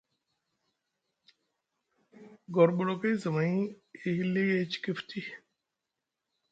Gorɓolokay zamay e hili e ciki futi.